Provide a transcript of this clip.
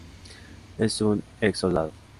Es un ex-soldado.